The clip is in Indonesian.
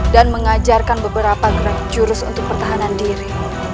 dan mengajarkan beberapa gerak jurus untuk pertahanan diri